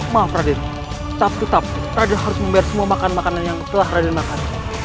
maaf radit tetap tetap radit harus memberi semua makanan makanan yang telah radit makan